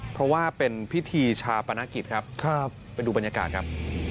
เพราะว่าเป็นพิธีชาปนกิจครับไปดูบรรยากาศครับ